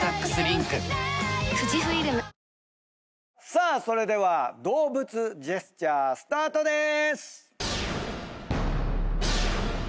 さあそれでは動物ジェスチャースタートでーす！